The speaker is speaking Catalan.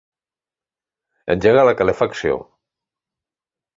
Engega la calefacció.